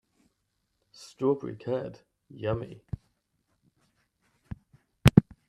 Strawberry curd, yummy!